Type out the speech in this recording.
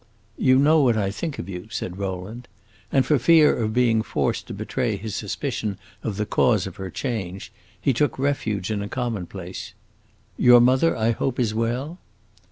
"You know what I think of you," said Rowland. And for fear of being forced to betray his suspicion of the cause of her change, he took refuge in a commonplace. "Your mother, I hope, is well."